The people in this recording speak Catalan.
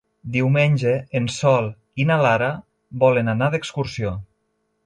Diumenge en Sol i na Lara volen anar d'excursió.